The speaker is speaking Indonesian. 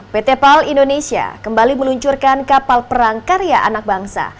pt pal indonesia kembali meluncurkan kapal perang karya anak bangsa